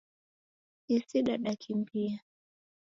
Isi dadakimbia.